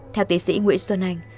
theo tỉ sĩ nguyễn xuân anh